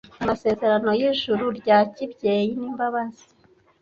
amasezerano y'ijuru rya kibyeyi n'imbabazi